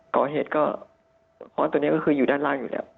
ก่อเหตุก็ค้อนตัวนี้ก็คืออยู่ด้านล่างอยู่แล้ว